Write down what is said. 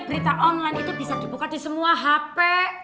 berita online itu bisa dibuka di semua hp